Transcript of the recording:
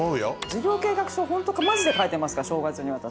事業計画書ホントマジで書いてますから正月に私。